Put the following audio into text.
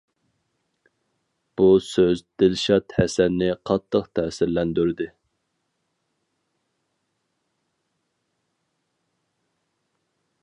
بۇ سۆز دىلشات ھەسەننى قاتتىق تەسىرلەندۈردى.